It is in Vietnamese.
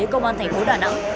công an thành phố đà nẵng